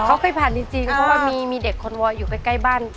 เขาเคยผ่านจริงเพราะว่ามีเด็กคนวอยอยู่ใกล้บ้าน